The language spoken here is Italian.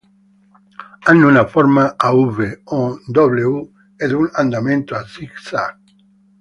Hanno una forma a V o a W ed un andamento a zig-zag.